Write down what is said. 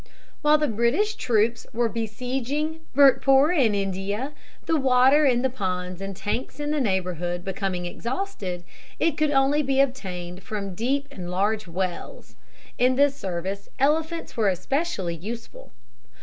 While the British troops were besieging Bhurtpore in India, the water in the ponds and tanks in the neighbourhood becoming exhausted, it could only be obtained from deep and large wells. In this service elephants were especially useful.